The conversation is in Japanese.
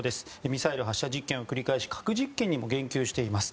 ミサイル発射実験を繰り返し核実験にも言及しています。